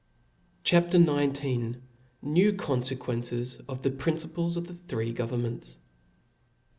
CHAP, XIX. New Confequences of the Principles of the three Governments.